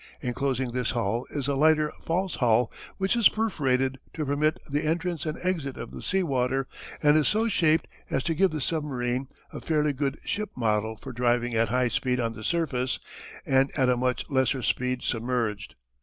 Enclosing this hull is a lighter false hull, which is perforated, to permit the entrance and exit of the sea water, and is so shaped as to give the submarine a fairly good ship model for driving at high speed on the surface and at a much lesser speed submerged.